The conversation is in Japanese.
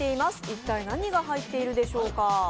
一体、何が入っているでしょうか。